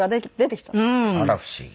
あら不思議。